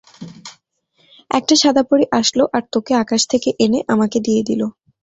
একটা সাদা পরী আসলো আর তোকে আকাশ থেকে এনে আমাকে দিয়ে দিলো।